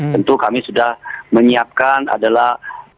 tentu kami sudah menyiapkan adalah